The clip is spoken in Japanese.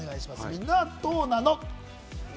みんなはどうなの？